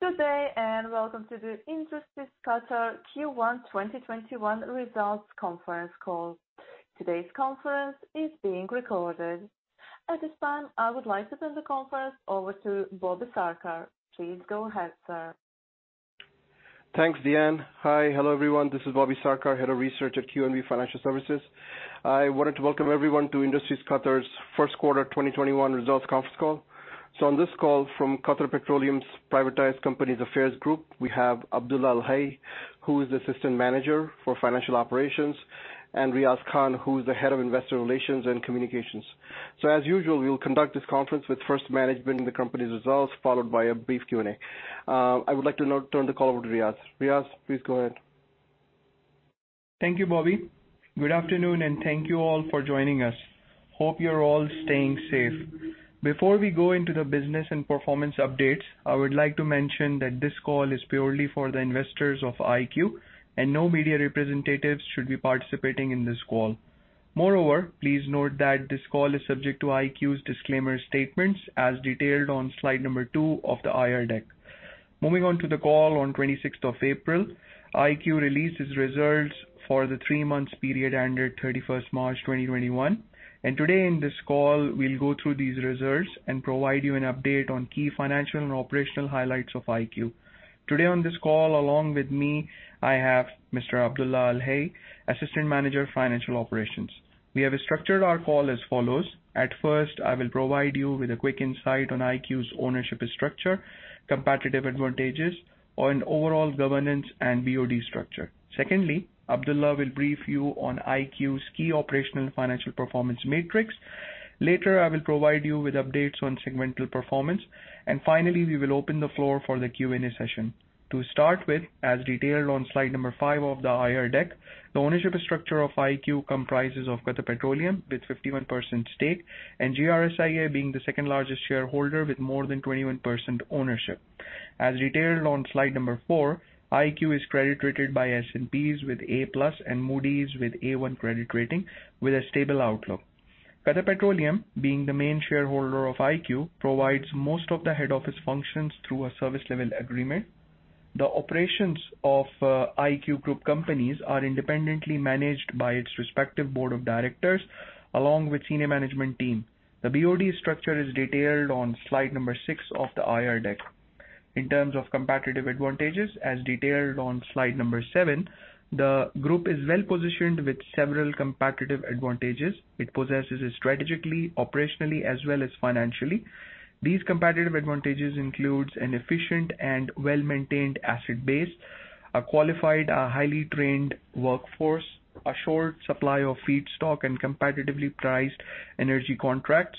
Good day, welcome to the Industries Qatar Q1 2021 results conference call. Today's conference is being recorded. At this time, I would like to turn the conference over to Bobby Sarkar. Please go ahead, sir. Thanks, Diane. Hi. Hello, everyone. This is Bobby Sarkar, Head of Research at QNB Financial Services. I wanted to welcome everyone to Industries Qatar's first quarter 2021 results conference call. On this call from Qatar Petroleum's Privatized Companies Affairs Group, we have Abdulla Al-Hay, who is the Assistant Manager for Financial Operations, and Riaz Khan, who is the Head of Investor Relations and Communications. As usual, we will conduct this conference with first management and the company's results, followed by a brief Q&A. I would like to now turn the call over to Riaz. Riaz, please go ahead. Thank you, Bobby. Good afternoon, thank you all for joining us. Hope you're all staying safe. Before we go into the business and performance updates, I would like to mention that this call is purely for the investors of IQ, and no media representatives should be participating in this call. Moreover, please note that this call is subject to IQ's disclaimer statements as detailed on slide number two of the IR deck. Moving on to the call on 26th of April, IQ released its results for the 3 months period ended 31st March 2021. Today in this call, we'll go through these results and provide you an update on key financial and operational highlights of IQ. Today on this call, along with me, I have Mr. Abdulla Al-Hay, Assistant Manager of Financial Operations. We have structured our call as follows. At first, I will provide you with a quick insight on IQ's ownership structure, competitive advantages, and overall governance and BoD structure. Secondly, Abdulla will brief you on IQ's key operational financial performance matrix. Later, I will provide you with updates on segmental performance. Finally, we will open the floor for the Q&A session. To start with, as detailed on slide number five of the IR deck, the ownership structure of IQ comprises of Qatar Petroleum with 51% stake, and GRSIA being the second-largest shareholder with more than 21% ownership. As detailed on slide number four, IQ is credit rated by S&P with A+ and Moody's with A1 credit rating with a stable outlook. Qatar Petroleum, being the main shareholder of IQ, provides most of the head office functions through a service level agreement. The operations of IQ group companies are independently managed by its respective Board of Directors along with senior management team. The BoD structure is detailed on slide six of the IR deck. In terms of competitive advantages, as detailed on slide seven, the group is well-positioned with several competitive advantages. It possesses strategically, operationally, as well as financially. These competitive advantages include an efficient and well-maintained asset base, a qualified, highly trained workforce, a sure supply of feedstock and competitively priced energy contracts,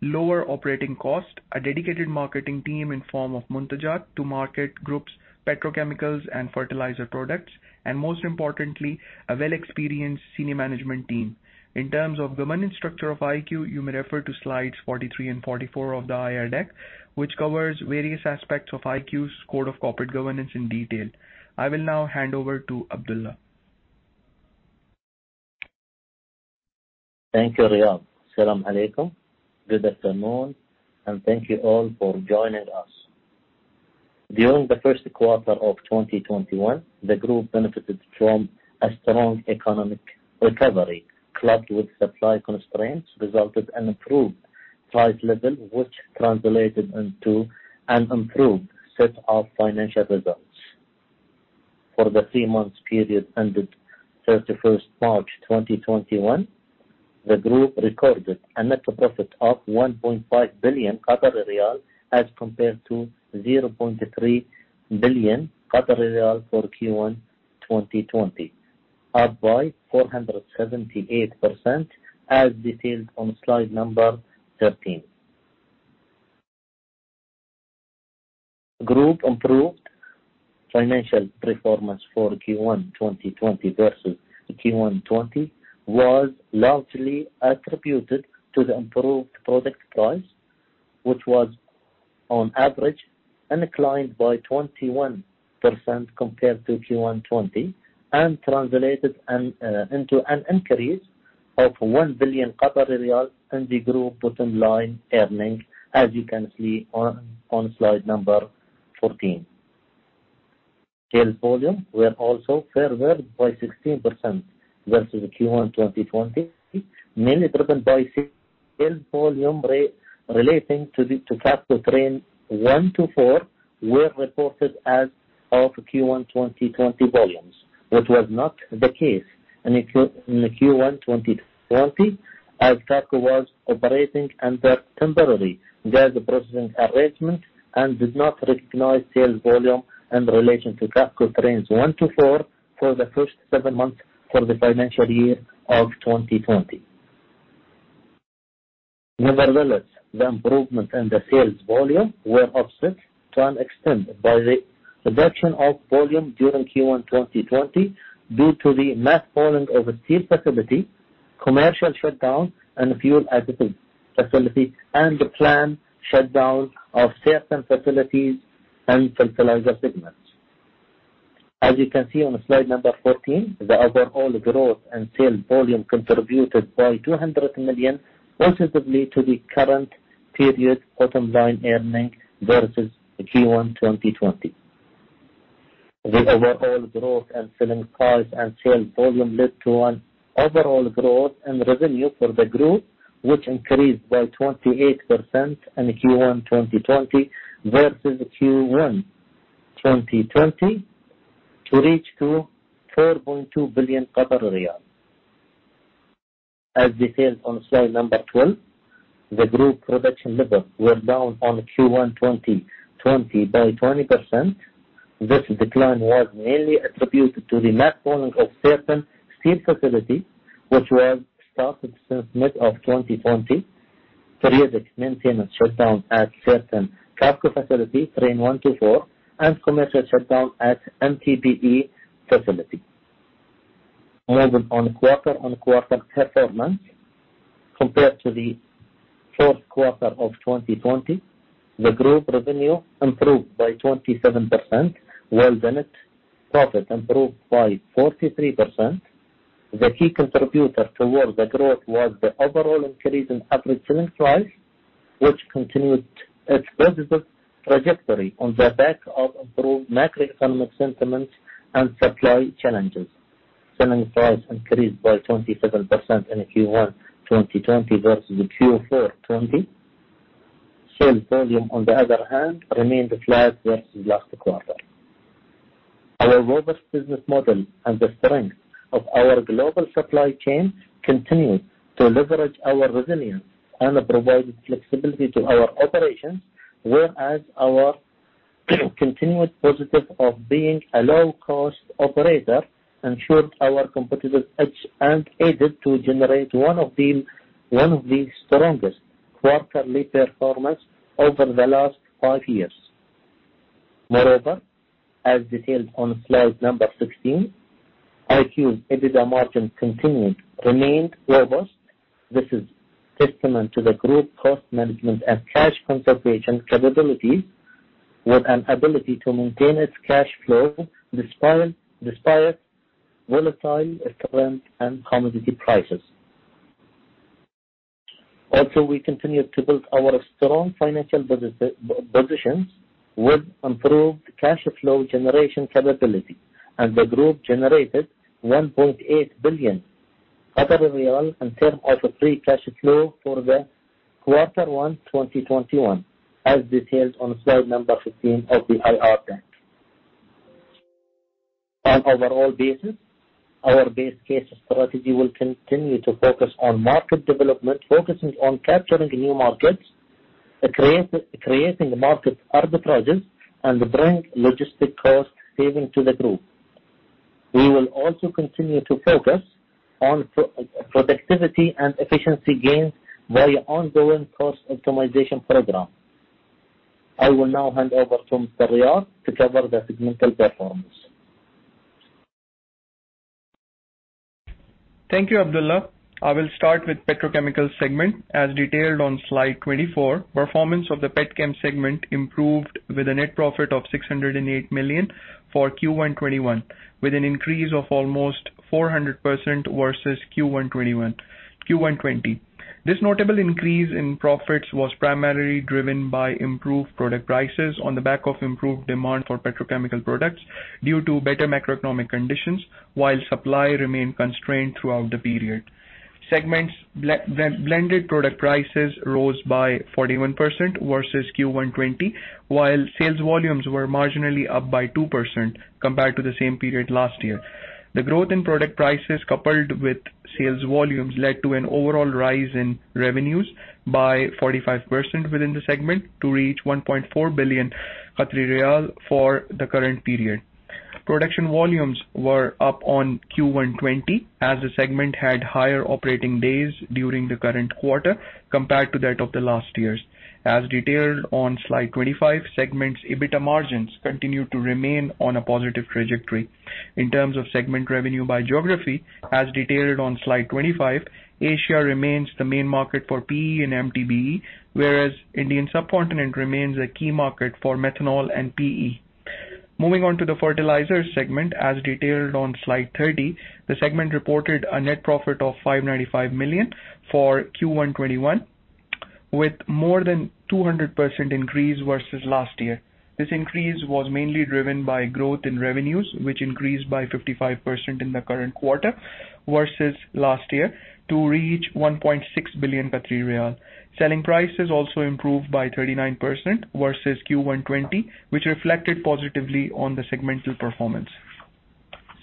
lower operating cost, a dedicated marketing team in form of Muntajat to market group's petrochemicals and fertilizer products, and most importantly, a well-experienced senior management team. In terms of governance structure of IQ, you may refer to slides 43 and 44 of the IR deck, which covers various aspects of IQ's code of corporate governance in detail. I will now hand over to Abdulla. Thank you, Riaz. Salam alaikum. Good afternoon, and thank you all for joining us. During the first quarter of 2021, the group benefited from a strong economic recovery, clubbed with supply constraints, resulted in improved price level, which translated into an improved set of financial results. For the three months period ended 31st March 2021, the group recorded a net profit of 1.5 billion as compared to 0.3 billion for Q1 2020, up by 478% as detailed on slide 13. The group's improved financial performance for Q1 2021 versus Q1 2020 was largely attributed to the improved product price, which was on average inclined by 21% compared to Q1 2020 and translated into an increase of 1 billion riyal in the group bottom line earning as you can see on slide 14. Sales volume was also favored by 16% versus Q1 2020, mainly driven by sales volume relating to the Ras Laffan Train 1 to 4 were reported as of Q1 2020 volumes. That was not the case in the Q1 2020 as Ras Laffan was operating under temporary gas processing arrangement and did not recognize sales volume in relation to Ras Laffan Trains 1 to 4 for the first seven months of the financial year 2020. Nevertheless, the improvement in the sales volume was offset to an extent by the reduction of volume during Q1 2020 due to the mothballing of a steel facility, commercial shutdown and fuel additive facility and the planned shutdown of certain facilities and fertilizer segment. As you can see on slide 14, the overall growth and sales volume contributed by 200 million positively to the current period bottom-line earning versus Q1 2020. The overall growth in selling price and sales volume led to an overall growth in revenue for the group, which increased by 28% in Q1 2021 versus Q1 2020 to reach 4.2 billion riyal. As detailed on slide 12, the group production levels were down on Q1 2021 by 20%. This decline was mainly attributed to the malfunctioning of certain steel facilities which were started since mid-2020. Periodic maintenance shutdown at certain QAFCO facility, Train 1 to 4, and commercial shutdown at MTBE facility. Moving on quarter-on-quarter performance, compared to the fourth quarter of 2020, the group revenue improved by 27%, while net profit improved by 43%. The key contributor towards the growth was the overall increase in average selling price, which continued its positive trajectory on the back of improved macroeconomic sentiment and supply challenges. Selling price increased by 27% in Q1 2020 versus Q4 '20. Sales volume, on the other hand, remained flat versus last quarter. Our robust business model and the strength of our global supply chain continued to leverage our resilience and provided flexibility to our operations, whereas our continued positive of being a low-cost operator ensured our competitive edge and aided to generate one of the strongest quarterly performance over the last five years. Moreover, as detailed on slide number 16, IQ's EBITDA margin continued remained robust. This is testament to the group cost management and cash conservation capabilities with an ability to maintain its cash flow despite volatile current and commodity prices. We continued to build our strong financial positions with improved cash flow generation capability, and the group generated 1.8 billion in term of free cash flow for the quarter one 2021, as detailed on slide number 15 of the IR deck. On overall basis, our base case strategy will continue to focus on market development, focusing on capturing new markets, creating market arbitrages, and bring logistic cost saving to the group. We will also continue to focus on productivity and efficiency gains via ongoing cost optimization program. I will now hand over to Riaz to cover the segmental performance. Thank you, Abdulla. I will start with petrochemical segment as detailed on slide 24. Performance of the petchem segment improved with a net profit of $608 million for Q1 '21, with an increase of almost 400% versus Q1 '20. This notable increase in profits was primarily driven by improved product prices on the back of improved demand for petrochemical products due to better macroeconomic conditions while supply remained constrained throughout the period. Segment's blended product prices rose by 41% versus Q1 '20, while sales volumes were marginally up by 2% compared to the same period last year. The growth in product prices, coupled with sales volumes, led to an overall rise in revenues by 45% within the segment to reach 1.4 billion Qatari riyal for the current period. Production volumes were up on Q1 '20 as the segment had higher operating days during the current quarter compared to that of the last year's. As detailed on slide 25, segment's EBITDA margins continued to remain on a positive trajectory. In terms of segment revenue by geography, as detailed on slide 25, Asia remains the main market for PE and MTBE, whereas Indian subcontinent remains a key market for methanol and PE. Moving on to the fertilizers segment, as detailed on slide 30. The segment reported a net profit of 595 million for Q1 '21 with more than 200% increase versus last year. This increase was mainly driven by growth in revenues, which increased by 55% in the current quarter versus last year to reach 1.6 billion riyal. Selling prices also improved by 39% versus Q1 '20, which reflected positively on the segmental performance.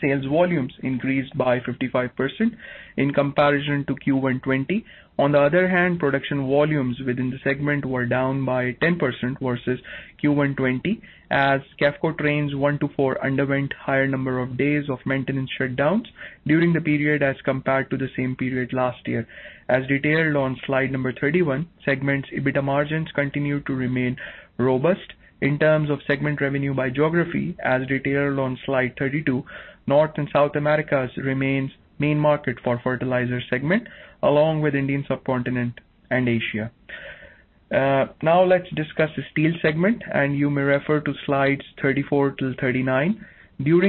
Sales volumes increased by 55% in comparison to Q1 2020. On the other hand, production volumes within the segment were down by 10% versus Q1 2020 as QAFCO trains one to four underwent higher number of days of maintenance shutdowns during the period as compared to the same period last year. As detailed on slide 31, segment's EBITDA margins continued to remain robust. In terms of segment revenue by geography, as detailed on slide 32, North and South Americas remains main market for fertilizer segment, along with Indian subcontinent and Asia. During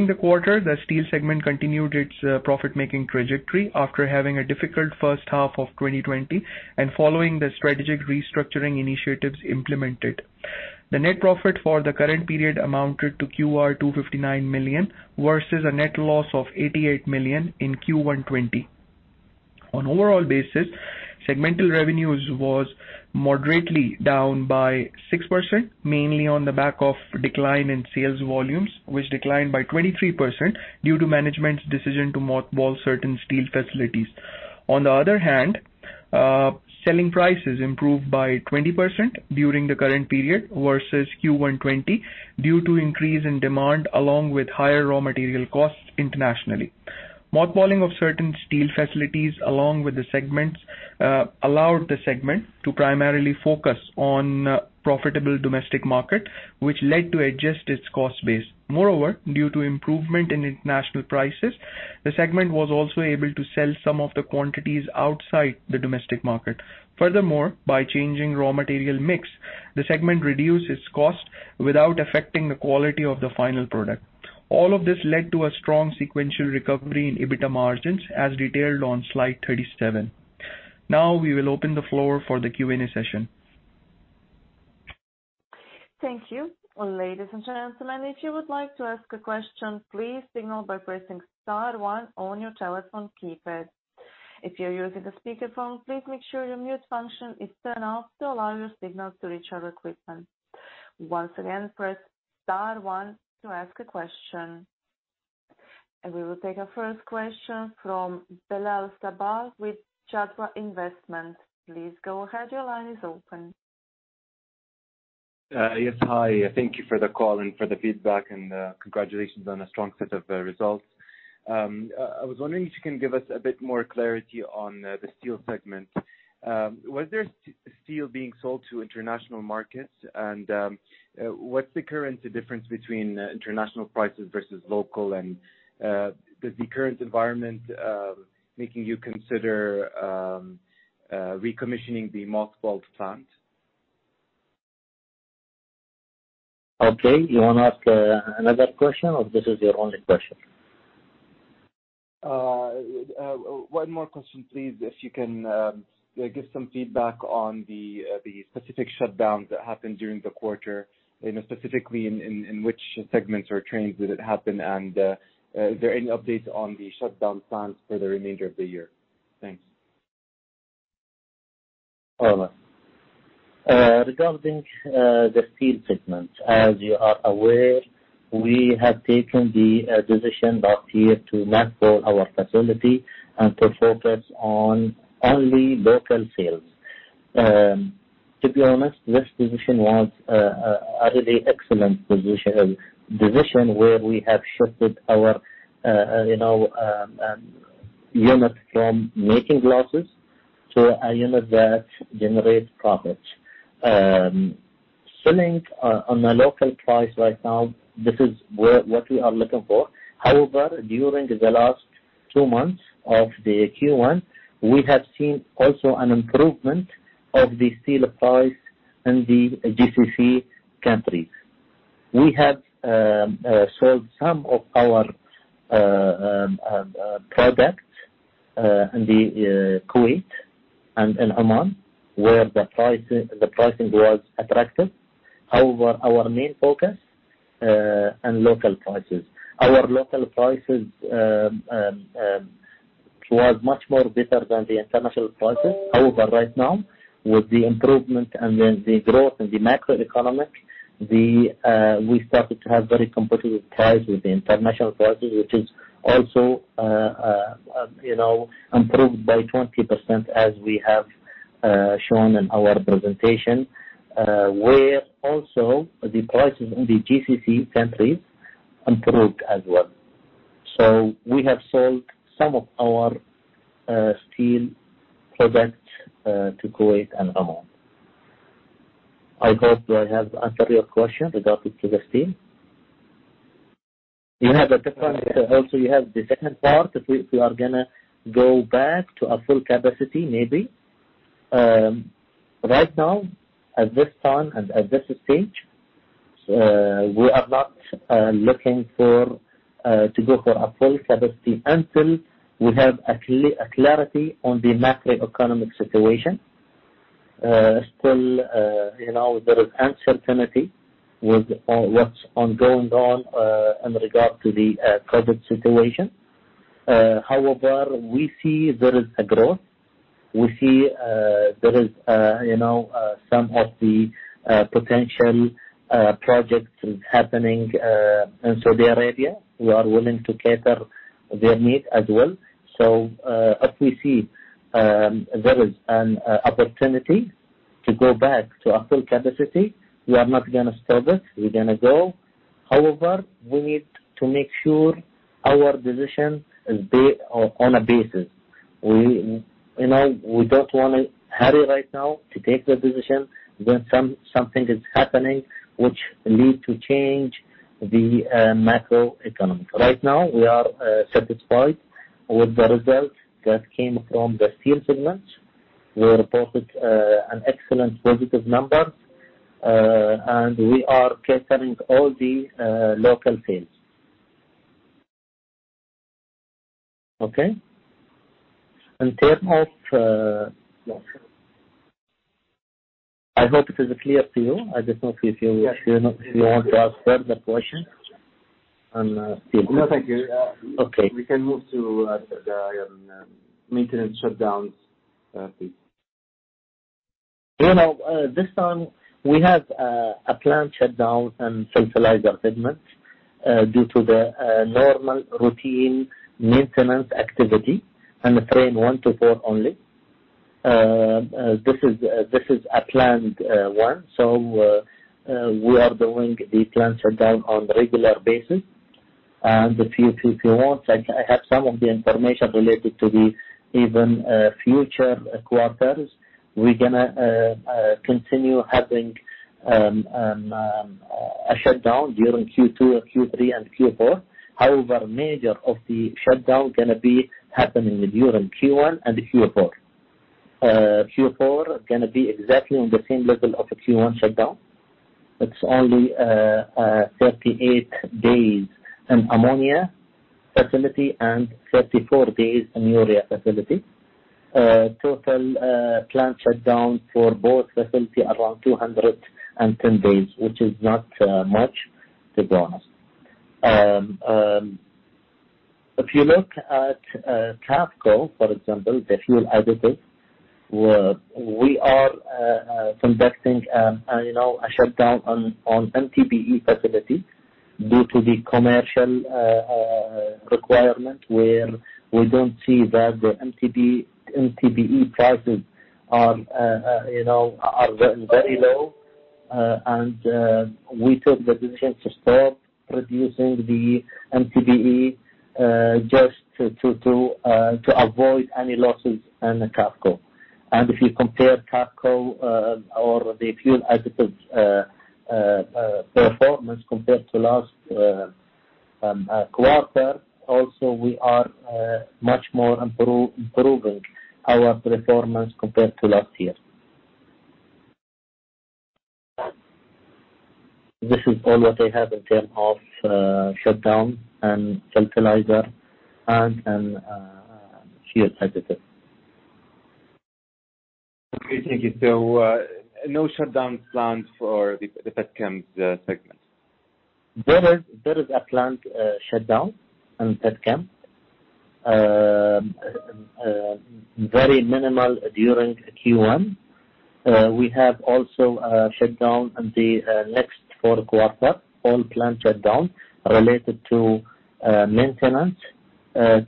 the quarter, the steel segment continued its profit-making trajectory after having a difficult first half of 2020 and following the strategic restructuring initiatives implemented. The net profit for the current period amounted to 259 million versus a net loss of 88 million in Q1 2020. On overall basis, segmental revenues was moderately down by 6%, mainly on the back of decline in sales volumes, which declined by 23% due to management's decision to mothball certain steel facilities. On the other hand, selling prices improved by 20% during the current period versus Q1 2020 due to increase in demand along with higher raw material costs internationally. Mothballing of certain steel facilities along with the segments allowed the segment to primarily focus on profitable domestic market, which led to adjust its cost base. Moreover, due to improvement in international prices, the segment was also able to sell some of the quantities outside the domestic market. Furthermore, by changing raw material mix, the segment reduced its cost without affecting the quality of the final product. All of this led to a strong sequential recovery in EBITDA margins as detailed on slide 37. Now we will open the floor for the Q&A session. Thank you. Ladies and gentlemen, if you would like to ask a question, please signal by pressing star one on your telephone keypad. If you're using a speakerphone, please make sure your mute function is turned off to allow your signal to reach our equipment. Once again, press star one to ask a question. We will take our first question from Bilal Sabbah with Jadwa Investment. Please go ahead. Your line is open. Yes. Hi. Thank you for the call and for the feedback, and congratulations on a strong set of results. I was wondering if you can give us a bit more clarity on the steel segment. Was there steel being sold to international markets? What's the current difference between international prices versus local? Does the current environment making you consider recommissioning the mothballed plant? Okay. You want to ask another question or this is your only question? One more question, please. If you can give some feedback on the specific shutdowns that happened during the quarter, specifically in which segments or trains did it happen. Is there any update on the shutdown plans for the remainder of the year? Thanks. Regarding the steel segment, as you are aware, we have taken the decision last year to mothball our facility and to focus on only local sales. To be honest, this position was a really excellent position where we have shifted our unit from making losses to a unit that generates profits. Selling on a local price right now, this is what we are looking for. During the last two months of the Q1, we have seen also an improvement of the steel price in the GCC countries. We have sold some of our products in the Kuwait and in Oman, where the pricing was attractive. Our main focus in local prices. Our local prices was much more better than the international prices. Right now, with the improvement and the growth in the macro economy, we started to have very competitive price with the international prices, which is also improved by 20%, as we have shown in our presentation, where also the prices in the GCC countries improved as well. We have sold some of our steel products to Kuwait and Oman. I hope I have answered your question regarding to the steel. You have the second part, if we are going to go back to a full capacity, maybe. Right now, at this time and at this stage, we are not looking to go for a full capacity until we have a clarity on the macroeconomic situation. Still, there is uncertainty with what's ongoing on in regard to the COVID situation. We see there is a growth. We see there is some of the potential projects happening in Saudi Arabia. We are willing to cater their need as well. If we see there is an opportunity to go back to a full capacity, we are not going to stop it. We're going to go. We need to make sure our decision is on a basis. We don't want to hurry right now to take the decision when something is happening which lead to change the macro economy. Right now, we are satisfied with the results that came from the steel segment, we reported an excellent positive number, and we are catering all the local sales. Okay? I hope it is clear to you. I don't know if you want to ask further questions on steel. No, thank you. Okay. We can move to the maintenance shutdowns, please. This time we have a planned shutdown in fertilizers segment due to the normal routine maintenance activity in the train one to four only. This is a planned one. We are doing the planned shutdown on regular basis. If you want, I have some of the information related to the even future quarters. We're going to continue having a shutdown during Q2, Q3, and Q4. However, major of the shutdown going to be happening during Q1 and Q4. Q4 going to be exactly on the same level of Q1 shutdown. It's only 38 days in ammonia facility and 34 days in urea facility. TotalEnergies plant shutdown for both facility, around 210 days, which is not much to burden us. If you look at QAFAC, for example, the fuel additives, we are conducting a shutdown on MTBE facility due to the commercial requirement, where we don't see that the MTBE prices are very low. We took the decision to stop producing the MTBE, just to avoid any losses in the QAFAC. If you compare QAFAC or the fuel additives performance compared to last quarter, also, we are much more improving our performance compared to last year. This is all what I have in terms of shutdown and fertilizer and fuel additives. Okay, thank you. No shutdown plans for the petchem segment? There is a planned shutdown in petchem. Very minimal during Q1. We have also a shutdown in the next four quarters, all planned shutdown related to maintenance.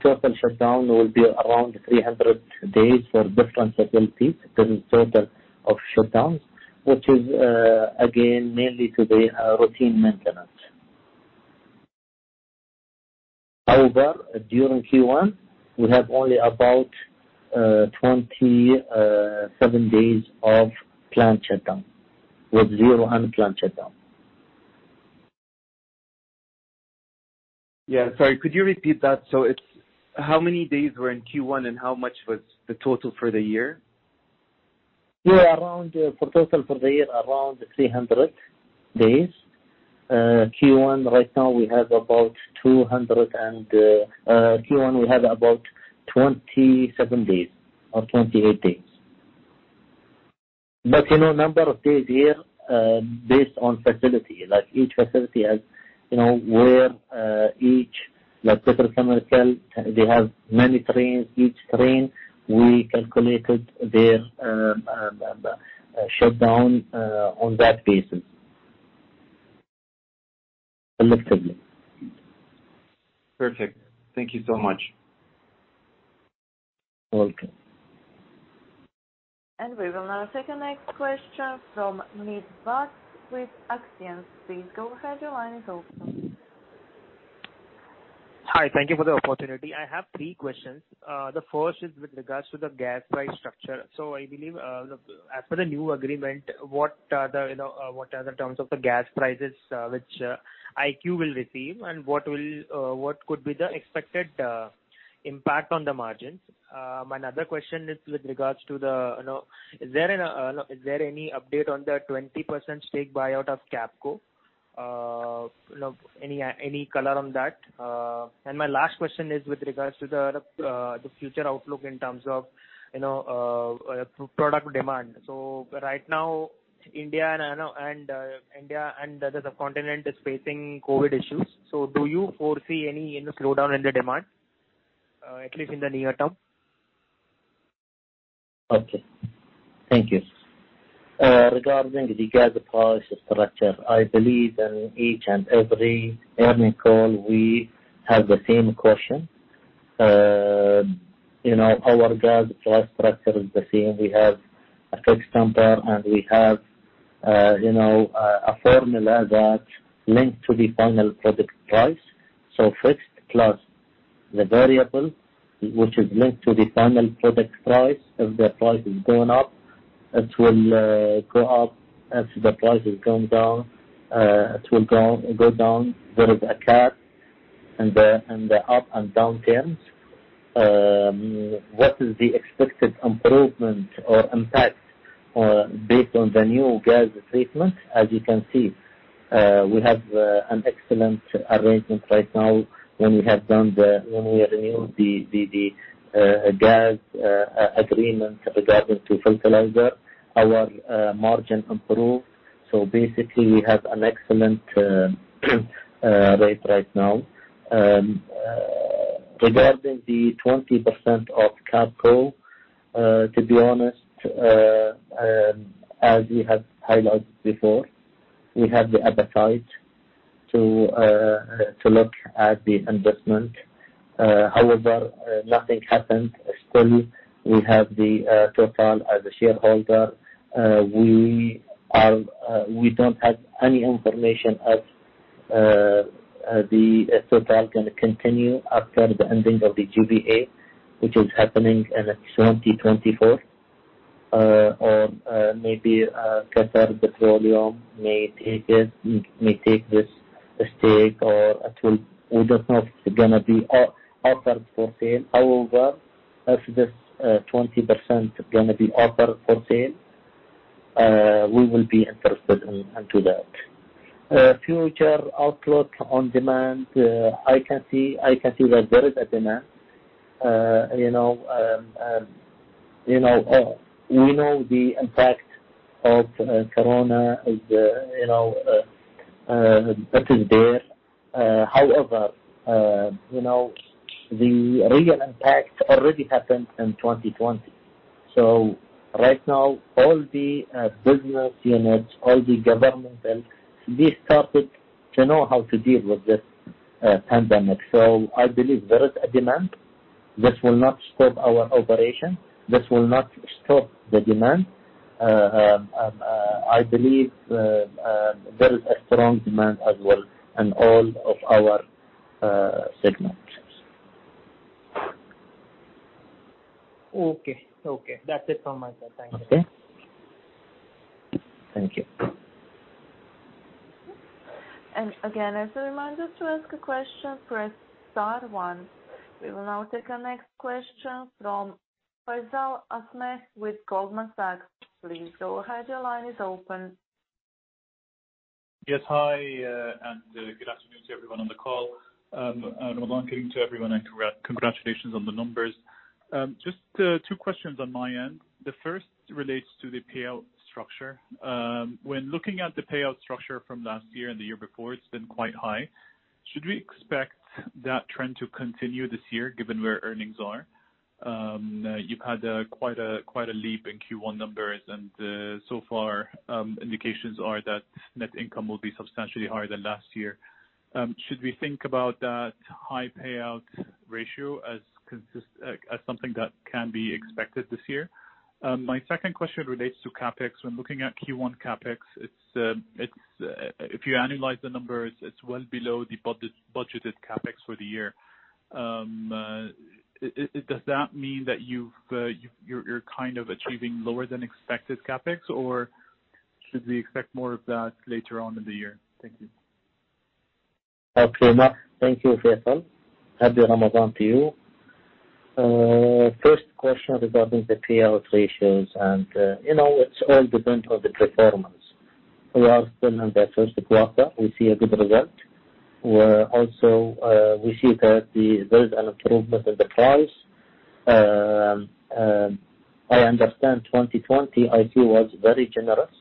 TotalEnergies shutdown will be around 300 days for different facilities in total of shutdowns, which is again, mainly to the routine maintenance. However, during Q1, we have only about 27 days of planned shutdown with zero unplanned shutdown. Sorry. Could you repeat that? How many days were in Q1 and how much was the total for the year? For total for the year, around 300 days. Q1, right now we have about 27 days or 28 days. You know, number of days here, based on facility, like each facility has where each, like petrochemical, they have many trains. Each train, we calculated their shutdown on that basis. Collectively. Perfect. Thank you so much. Welcome. We will now take the next question from Muneeb Butt with Axiom. Please go ahead. Your line is open. Hi. Thank you for the opportunity. I have three questions. The first is with regards to the gas price structure. I believe as per the new agreement, what are the terms of the gas prices which IQ will receive and what could be the expected impact on the margins? My another question is with regards to the, is there any update on the 20% stake buyout of QAPCO? Any color on that? My last question is with regards to the future outlook in terms of product demand. Right now, India and the other subcontinent is facing COVID issues. Do you foresee any slowdown in the demand, at least in the near term? Okay. Thank you. Regarding the gas price structure, I believe in each and every earning call, we have the same question. Our gas price structure is the same. We have a fixed number, and we have a formula that links to the final product price. Fixed plus the variable, which is linked to the final product price. If the price is going up, it will go up as the price is going down. It will go down. There is a cap in the up and down terms. What is the expected improvement or impact based on the new gas treatment? As you can see, we have an excellent arrangement right now when we renewed the gas agreement regarding to fertilizer, our margin improved. Basically, we have an excellent rate right now. Regarding the 20% of QAPCO, to be honest, as we have highlighted before, we have the appetite to look at the investment. However, nothing happened. Still, we have Total as a shareholder. We don't have any information if Total going to continue after the ending of the JVA, which is happening in 2024. Or maybe Qatar Petroleum may take this stake, or we don't know if it's going to be offered for sale. However, if this 20% is going to be offered for sale, we will be interested into that. Future outlook on demand, I can see that there is a demand. We know the impact of COVID is there. However, the real impact already happened in 2020. Right now, all the business units, all the governmental, they started to know how to deal with this pandemic. I believe there is a demand. This will not stop our operation. This will not stop the demand. I believe there is a strong demand as well in all of our segments. Okay. That's it from my side. Thank you. Okay. Thank you. Again, as a reminder, to ask a question, press star one. We will now take our next question from Faisal Aslam with Goldman Sachs. Please go ahead, your line is open. Yes, hi, good afternoon to everyone on the call. Ramadan Kareem to everyone, congratulations on the numbers. Just two questions on my end. The first relates to the payout structure. When looking at the payout structure from last year and the year before, it's been quite high. Should we expect that trend to continue this year given where earnings are? You've had quite a leap in Q1 numbers, so far, indications are that net income will be substantially higher than last year. Should we think about that high payout ratio as something that can be expected this year? My second question relates to CapEx. When looking at Q1 CapEx, if you annualize the numbers, it's well below the budgeted CapEx for the year. Does that mean that you're achieving lower than expected CapEx, or should we expect more of that later on in the year? Thank you. Okay. Thank you, Faisal. Happy Ramadan to you. First question regarding the payout ratios. It's all dependent on the performance. We are still in the first quarter. We see a good result. Also, we see that there is an improvement in the price. I understand 2020, IQ was very generous.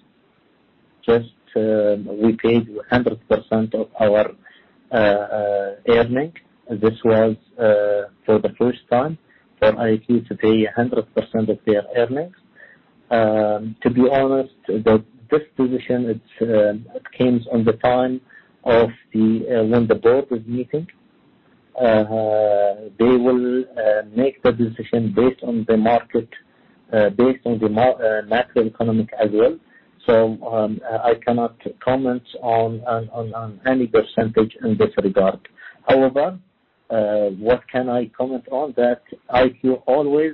Just we paid you 100% of our earning. This was for the first time for IQ to pay 100% of their earnings. To be honest, this position, it came on the time of when the Board was meeting. They will make the decision based on the market, based on the macroeconomic as well. I cannot comment on any percentage in this regard. What can I comment on? That IQ always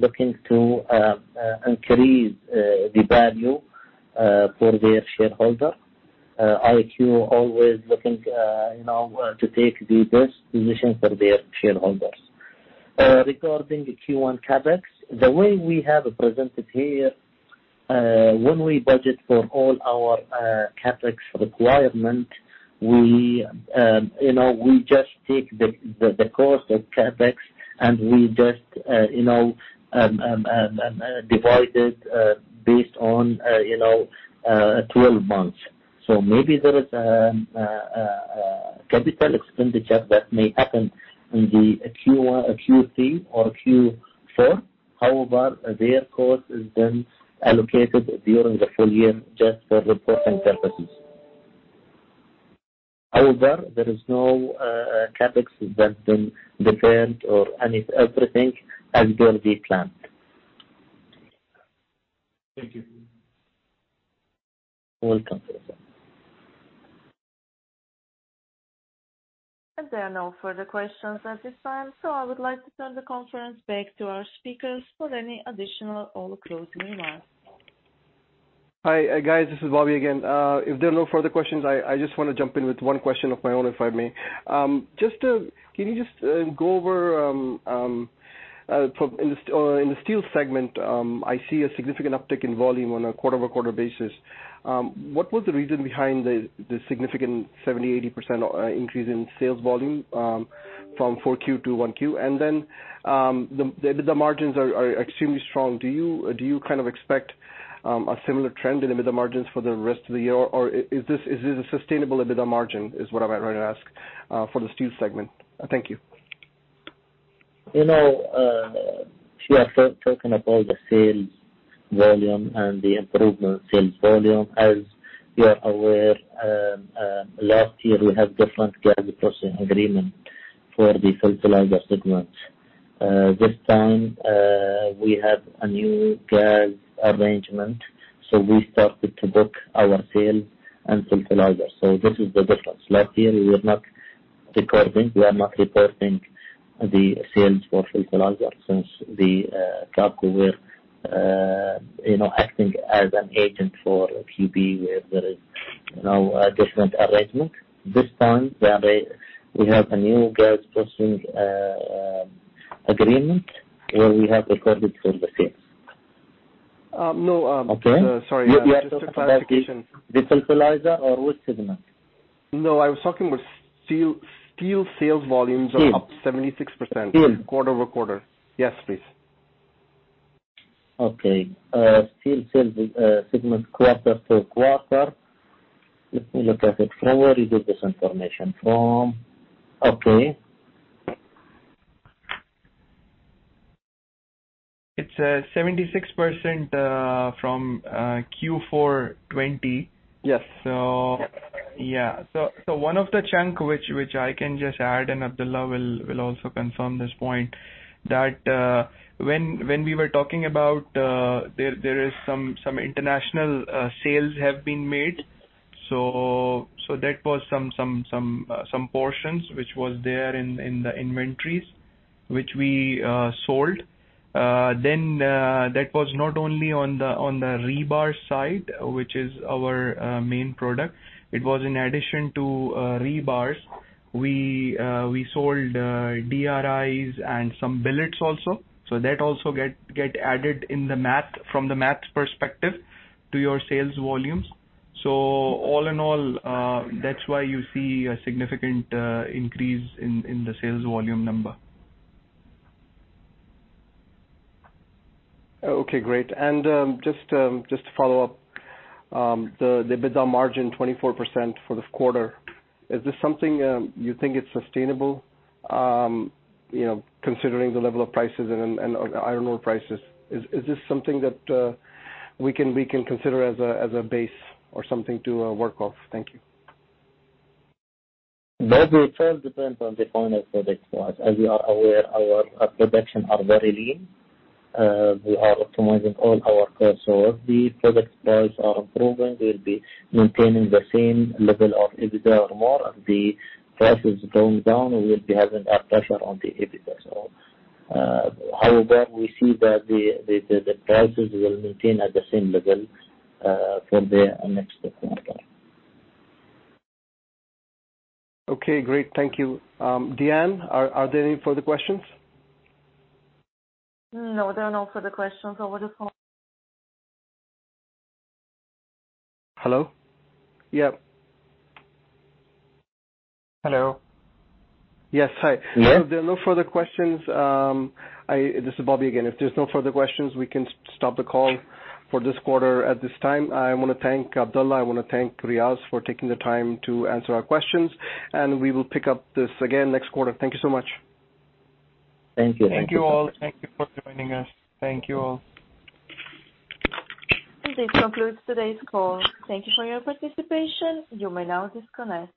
looking to increase the value for their shareholder. IQ always looking to take the best position for their shareholders. Regarding the Q1 CapEx, the way we have presented here, when we budget for all our CapEx requirement, we just take the cost of CapEx, and we just divide it based on 12 months. Maybe there is a capital expenditure that may happen in the Q1, Q3, or Q4. Their cost is then allocated during the full year just for reporting purposes. There is no CapEx that's been deferred or any. Everything as per the plan. Thank you. Welcome, Faisal. There are no further questions at this time, I would like to turn the conference back to our speakers for any additional or closing remarks. Hi, guys. This is Bobby again. If there are no further questions, I just want to jump in with one question of my own, if I may. Can you just go over in the steel segment, I see a significant uptick in volume on a quarter-over-quarter basis. What was the reason behind the significant 70%, 80% increase in sales volume from 4Q to 1Q? The EBITDA margins are extremely strong. Do you expect a similar trend in EBITDA margins for the rest of the year? Is this a sustainable EBITDA margin, is what I'm trying to ask, for the steel segment? Thank you. You are talking about the sales volume and the improvement in sales volume. As you are aware, last year we have different gas processing agreement for the fertilizer segment. This time, we have a new gas arrangement. We started to book our sale and fertilizer. This is the difference. Last year, we were not reporting the sales for fertilizer since the QAFCO were acting as an agent for QP, where there is now a different arrangement. This time, we have a new gas processing agreement, where we have recorded for the sales. No. Okay. Sorry. Just a clarification. You are talking about the fertilizer or which segment? No, I was talking about steel. Steel sales volumes are up- Steel 76% quarter-over-quarter. Yes, please. Okay. Steel sales segment quarter-over-quarter. Let me look at it. From where you get this information from? Okay. It is 76% from Q4 2020. Yes. One of the chunk, which I can just add, and Abdulla will also confirm this point, that when we were talking about, there is some international sales have been made. That was some portions which was there in the inventories, which we sold. That was not only on the rebar side, which is our main product. It was in addition to rebars. We sold DRIs and some billets also. That also get added in the math from the math perspective to your sales volumes. All in all, that is why you see a significant increase in the sales volume number. Okay, great. Just to follow up. The EBITDA margin 24% for this quarter, is this something you think it is sustainable considering the level of prices and iron ore prices? Is this something that we can consider as a base or something to work off? Thank you. That will first depend on the final product price. As you are aware, our production are very lean. We are optimizing all our costs. If the product price are improving, we will be maintaining the same level of EBITDA or more. If the prices going down, we will be having a pressure on the EBITDA. However, we see that the prices will maintain at the same level for the next quarter. Okay, great. Thank you. Diane, are there any further questions? No, there are no further questions over the phone. Hello? Yeah. Hello. Yes, hi. Hello. If there are no further questions, this is Bobby again. If there's no further questions, we can stop the call for this quarter at this time. I want to thank Abdulla. I want to thank Riaz for taking the time to answer our questions, and we will pick up this again next quarter. Thank you so much. Thank you. Thank you all. Thank you for joining us. Thank you all. This concludes today's call. Thank you for your participation. You may now disconnect.